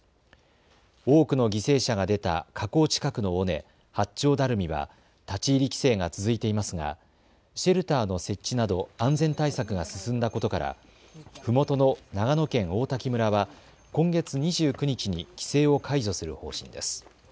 多くの犠牲者が出た火口近くの尾根、八丁ダルミは立ち入り規制が続いていますがシェルターの設置など安全対策が進んだことからふもとの長野県王滝村は今月２９日に規制を解除する方針です。